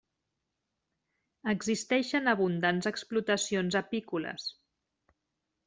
Existixen abundants explotacions apícoles.